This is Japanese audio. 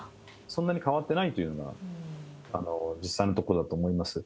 そんなに変わってないというのが実際のところだと思います。